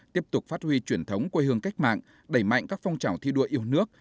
tiếp tục phát huy truyền thống quê hương cách mạng đẩy mạnh các phong trào thi đua yêu nước